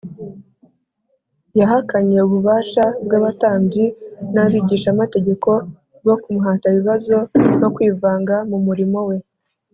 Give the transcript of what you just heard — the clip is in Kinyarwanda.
Yahakanye ububasha bw’abatambyi n’abigishamategeko bwo kumuhata ibibazo no kwivanga mu murimo We